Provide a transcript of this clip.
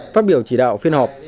phát biểu chỉ đạo phiên họp